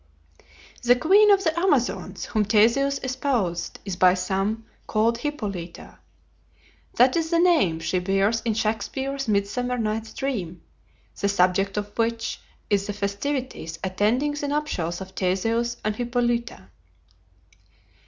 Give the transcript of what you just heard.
The queen of the Amazons whom Theseus espoused is by some called Hippolyta. That is the name she bears in Shakspeare's "Midsummer Night's Dream," the subject of which is the festivities attending the nuptials of Theseus and Hippolyta.